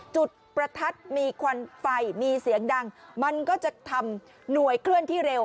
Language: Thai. จุดประทัดมีควันไฟมีเสียงดังมันก็จะทำหน่วยเคลื่อนที่เร็ว